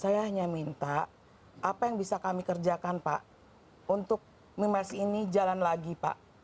saya hanya minta apa yang bisa kami kerjakan pak untuk memiles ini jalan lagi pak